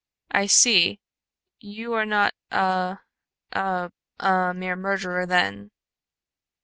"I see. You are not a a a mere murderer, then?"